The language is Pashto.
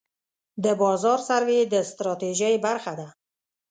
د بازار سروې د ستراتیژۍ برخه ده.